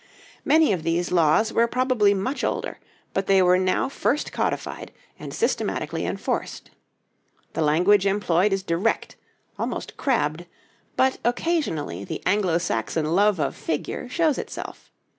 Many of these laws were probably much older; but they were now first codified and systematically enforced. The language employed is direct, almost crabbed; but occasionally the Anglo Saxon love of figure shows itself.